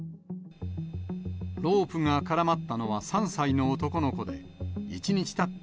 ロープが絡まったのは３歳の男の子で、１日たった